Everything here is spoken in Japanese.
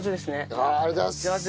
ありがとうございます。